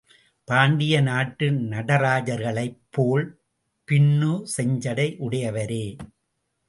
பாண்டிய நாட்டு நடராஜர்களைப் போல் பின்னு செஞ்சடை உடையவரே.